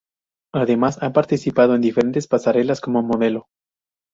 Además ha participado en diferentes pasarelas como modelo.